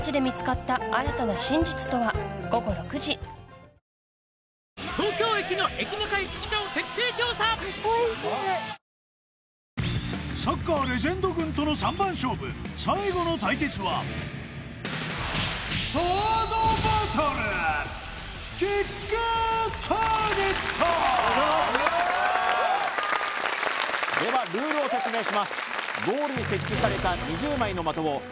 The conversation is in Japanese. ワイドも薄型サッカーレジェンド軍との３番勝負最後の対決はではルールを説明します